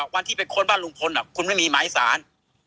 วันที่ไปค้นบ้านลุงพลคุณไม่มีหมายสาร